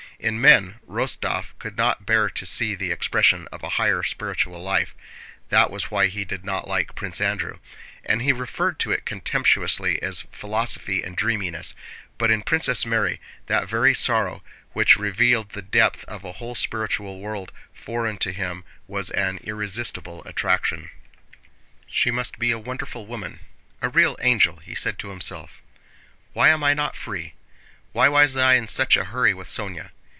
In men Rostóv could not bear to see the expression of a higher spiritual life (that was why he did not like Prince Andrew) and he referred to it contemptuously as philosophy and dreaminess, but in Princess Mary that very sorrow which revealed the depth of a whole spiritual world foreign to him was an irresistible attraction. "She must be a wonderful woman. A real angel!" he said to himself. "Why am I not free? Why was I in such a hurry with Sónya?"